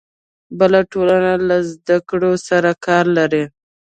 بله ټولنه له زده کړو سره کار لري.